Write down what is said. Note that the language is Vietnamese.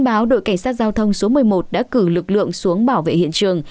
báo đội cảnh sát giao thông số một mươi một đã cử lực lượng xuống bảo vệ hiện trường